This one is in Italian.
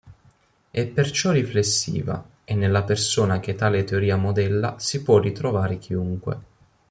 È perciò riflessiva, e nella persona che tale teoria modella si può ritrovare chiunque.